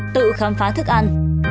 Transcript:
tự khám phá thức ăn